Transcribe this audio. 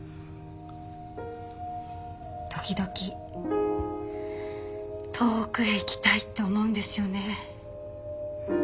時々遠くへ行きたいって思うんですよね。